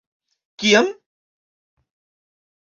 Kiam?